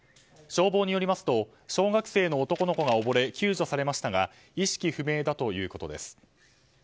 消防によりますと小学生の男の子が溺れ救助されましたが意識不明だということです。